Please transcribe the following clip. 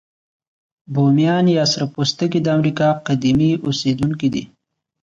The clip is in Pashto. بومیان یا سره پوستکي د امریکا قديمي اوسیدونکي دي.